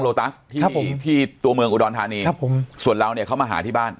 ตัสที่ผมที่ตัวเมืองอุดรธานีครับผมส่วนเราเนี่ยเขามาหาที่บ้าน